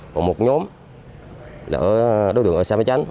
và một nhóm là đối tượng ở sài bắc chánh